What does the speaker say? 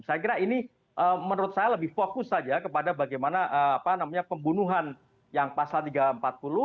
saya kira ini menurut saya lebih fokus saja kepada bagaimana pembunuhan yang pasal tiga ratus empat puluh